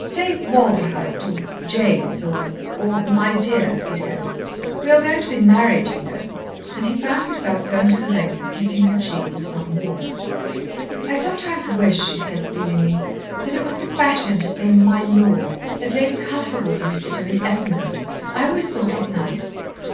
"Say 'Walderhurst' or 'James' or or 'my dear,'" he said. "We are going to be married, you know." And he found himself going to the length of kissing her cheek with some warmth. "I sometimes wish," she said feelingly, "that it was the fashion to say 'my lord' as Lady Castlewood used to do in 'Esmond.' I always thought it nice."